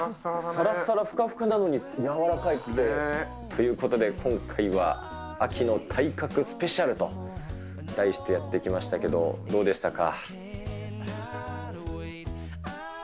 さらさらふかふかなのに、柔らかいって。ということで、今回は秋の体格スペシャルと題してやってきましたけど、どうでしたか？